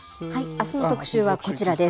あすの特集はこちらです。